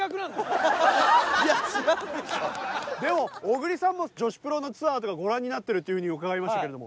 でも小栗さんも女子プロのツアーとかご覧になってるっていう風に伺いましたけれども。